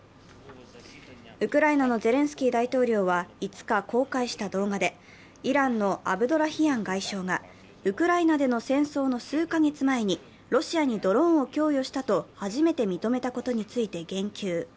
ウクライナのゼレンスキー大統領は５日、公開した動画でイランのアブドラヒアン外相がウクライナでの戦争の数か月前にロシアにドローンを供与したと初めて認めたことについて言及。